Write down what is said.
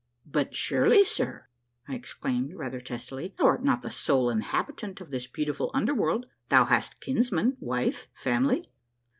" But surely, sir," I exclaimed rather testily, " thou art not the sole inhabitant of this beautiful under world, — thou hast kinsman, wife, family